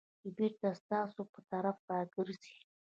چې بېرته ستاسو په طرف راګرځي .